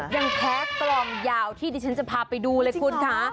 ยังแพ้กลองยาวที่ดิฉันจะพาไปดูเลยคุณค่ะ